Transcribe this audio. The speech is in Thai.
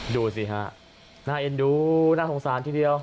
ดูสิฮะน่าเอ็นดูน่าสงสารทีเดียว